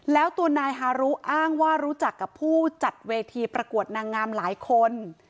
แล้วตัวนายฮารุอ้างว่ารู้จักกับผู้จัดเวทีประกวดนางงามหลายคน